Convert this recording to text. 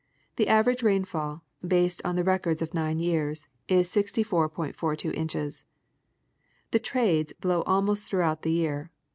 The average rainfall, based on the records of nine years, is 64.42 inches. The "trades" blow almost, throughout the year.